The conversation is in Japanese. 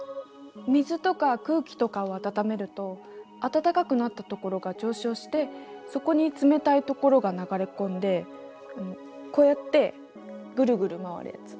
水とか空気とかを温めると温かくなったところが上昇してそこに冷たいところが流れ込んでこうやってグルグル回るやつ。